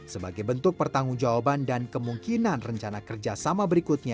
sebagai bentuk pertanggung jawaban dan kemungkinan rencana kerjasama berikutnya